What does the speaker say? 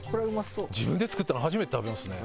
自分で作ったの初めて食べますね。